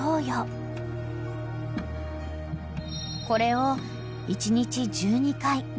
［これを１日１２回］